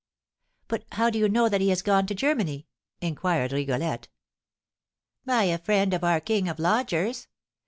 "But how do you know that he has gone to Germany?" inquired Rigolette. "By a friend of our 'king of lodgers.'